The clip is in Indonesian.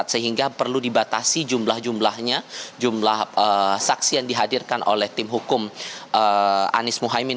sehingga perlu dibatasi jumlah jumlahnya jumlah saksi yang dihadirkan oleh tim hukum anies mohaimin